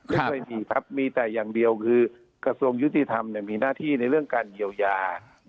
ไม่เคยมีครับมีแต่อย่างเดียวคือกระทรวงยุติธรรมมีหน้าที่ในเรื่องการเยียวยา